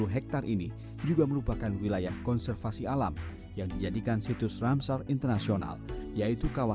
satu ratus dua puluh hektare ini juga merupakan wilayah konservasi alam yang dijadikan situs ramsar international yaitu